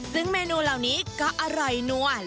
ซึ่งเมนูเหล่านี้ก็อร่อยนุ่มนะครับ